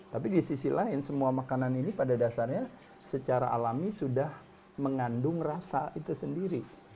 tapi di sisi lain semua makanan ini pada dasarnya secara alami sudah mengandung rasa itu sendiri